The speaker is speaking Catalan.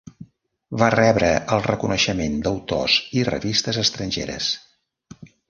Va rebre el reconeixement d'autors i revistes estrangeres.